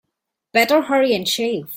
Better hurry and shave.